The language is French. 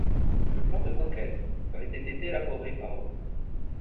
Le plan de conquête avait été élaboré par eux.